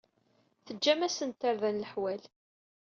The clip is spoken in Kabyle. Teǧǧam-asen-d tarda n leḥwal.